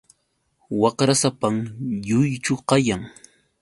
Waqrasapam lluychu kayan.